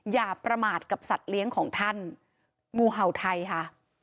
อย่าประมาทกับสัตว์เลี้ยงของท่านงูเห่าไทยค่ะ